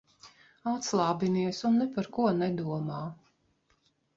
Atslābinies un ne par ko nedomā.